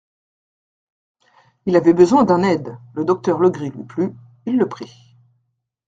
Il avait besoin d'un aide, le docteur Legris lui plut, il le prit.